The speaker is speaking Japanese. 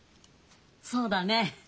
そうだねぇ。